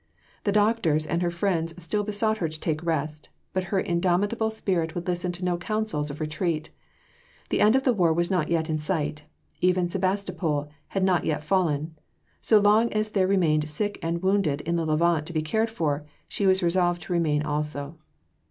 The doctors and her friends still besought her to take rest. But her indomitable spirit would listen to no counsels of retreat. The end of the war was not yet in sight. Even Sebastopol had not yet fallen. So long as there remained sick and wounded in the Levant to be cared for, she was resolved to remain also.